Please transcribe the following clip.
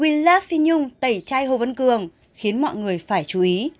we love phi nhung tẩy chai hô vấn cường khiến mọi người phải chú ý